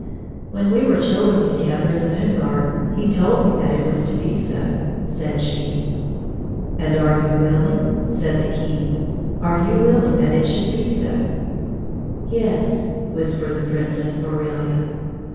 " When we were chil dren together in the moon garden, he told me that it was to be so," said she. "And are you willing 1 " said the King. "Are you willing that it should be so 1 "" Yes," whispered the Princess Aurelia.